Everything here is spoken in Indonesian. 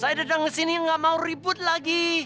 saya udah denger sini nggak mau ribut lagi